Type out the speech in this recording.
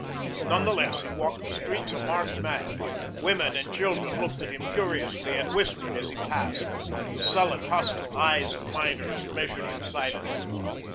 None the less, he walked the streets a marked man. Women and children looked at him curiously and whispered as he passed. The sullen, hostile eyes of miners measured him silently.